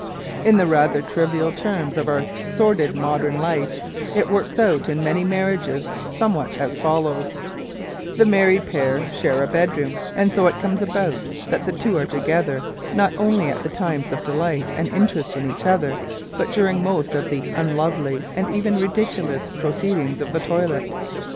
In the rather trivial terms of our sordid modern life, it works out in many marriages somewhat as follows : The married pair share a bedroom", and so it comes about that the two are together not only at the times of delight and interest in each other, but during most of the unlovely and even ridiculous pro ceedings of the toilet.